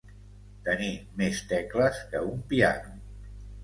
Tenir més tecles que un piano.